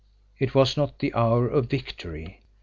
It was not the hour of victory.